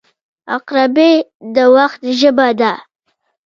• عقربې د وخت ژبه ده.